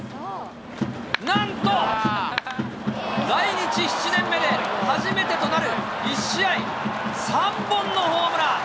なんと、来日７年目で初めてとなる１試合３本のホームラン。